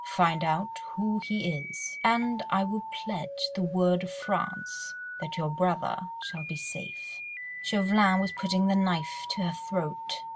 Find out who he is, and I will pledge the word of France that your brother shall be safe." Chauvelin was putting the knife to her throat.